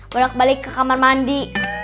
bolak balik ke kamar mandi